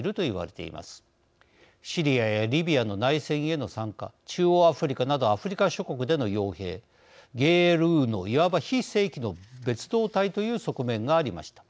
シリアやリビアの内戦への参加中央アフリカなどアフリカ諸国でのよう兵ＧＲＵのいわば非正規の別動隊という側面がありました。